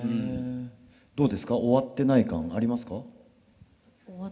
どうですか終わってない感ありますか？